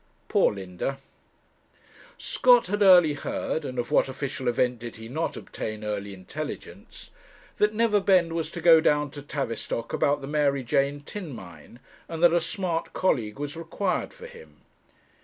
Poor Linda! Scott had early heard and of what official event did he not obtain early intelligence? that Neverbend was to go down to Tavistock about the Mary Jane tin mine, and that a smart colleague was required for him.